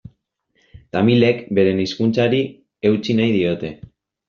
Tamilek beren hizkuntzari eutsi nahi diote.